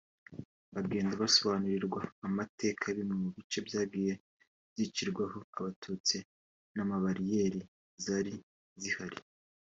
bagenda basobanurirwa amateka ya bimwe mu bice byagiye byicirwaho Abatutsi na bariyeri zari zihari